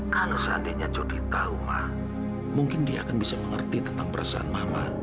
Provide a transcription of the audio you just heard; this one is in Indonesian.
kalau seandainya jody trauma mungkin dia akan bisa mengerti tentang perasaan mama